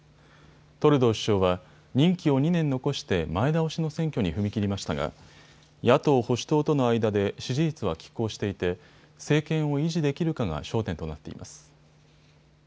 トルドー首相は任期を２年残して前倒しの選挙に踏み切りましたが野党保守党との間で支持率はきっ抗していて政権を維持できるかが焦点となっています。